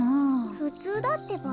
ふつうだってば。